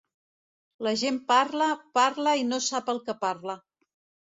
La gent parla, parla i no sap el que parla.